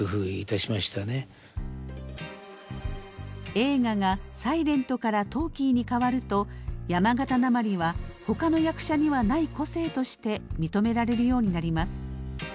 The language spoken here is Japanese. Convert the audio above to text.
映画がサイレントからトーキーに変わると山形なまりはほかの役者にはない個性として認められるようになります。